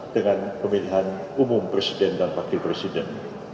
dengan pemilihan umum presiden dan wakil presiden